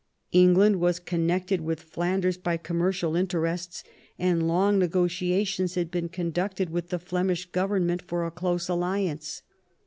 England was connected with Flanders by commercial interests, and long negotiations had been conducted with the Flemish Government for a close alliance.